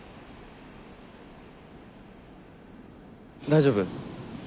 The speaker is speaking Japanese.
大丈夫？